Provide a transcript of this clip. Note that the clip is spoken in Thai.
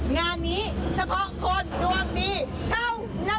งานนี้เฉพาะคนดวงดีเท่านั้น